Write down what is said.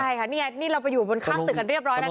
ใช่ค่ะนี่ไงนี่เราไปอยู่บนข้างตึกกันเรียบร้อยแล้วนะ